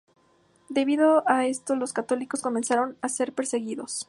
Debido a esto los católicos comenzaron a ser perseguidos.